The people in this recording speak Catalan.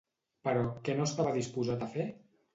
Però què no estava disposat a fer?